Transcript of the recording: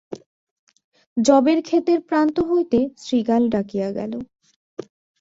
যবের খেতের প্রান্ত হইতে শৃগাল ডাকিয়া গেল।